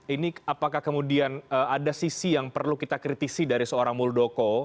ini apakah kemudian ada sisi yang perlu kita kritisi dari seorang muldoko